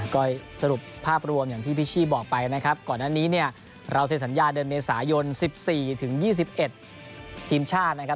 ก็สรุปภาพรวมอย่างที่พี่ชี่บอกไปนะครับก่อนอันนี้เนี่ยเราเซ็นสัญญาเดือนเมษายน๑๔ถึง๒๑ทีมชาตินะครับ